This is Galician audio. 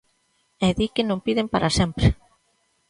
E di que non piden para sempre.